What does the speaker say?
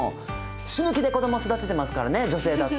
死ぬ気で子供育ててますからね女性だって。